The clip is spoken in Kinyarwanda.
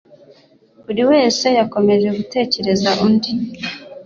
buri wese yakomeje gutekereza undi